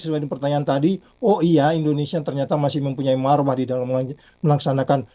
sesuai dengan pertanyaan tadi oh iya indonesia ternyata masih mempunyai marwah di dalam melaksanakan